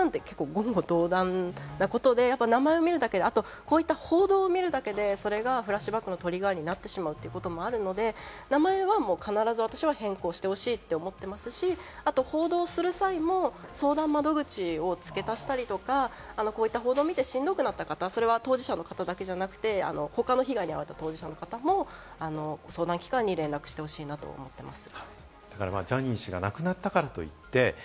言語道断なことで、名前を見るだけで、あと、こういった報道を見るだけでそれがフラッシュバックのトリガーになってしまうこともあるので、名前は必ず変更してほしいと私は思ってますし、報道する際も相談窓口を付け足したりとか、こういった報道を見てしんどくなった方、当事者だけじゃなくて、他の被害に遭われた当事者の方も、相談機関に連絡してほしいなと思います。